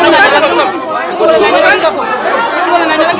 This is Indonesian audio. bisa ngajak lagi boleh ngajak lagi